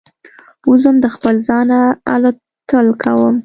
وزم د خپل ځانه الوتل کوم